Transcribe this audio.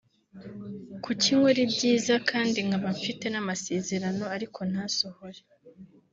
“Kuki nkora ibyiza kandi nkaba mfite n’ amasezerano ariko ntasohore